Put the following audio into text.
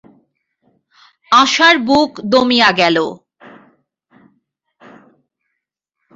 আশার বুক দমিয়া গেল।